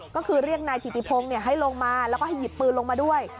ก็คือเรียกนายถิติพงศ์ให้ลงมาแล้วก็ให้หยิบปืนลงมาด้วย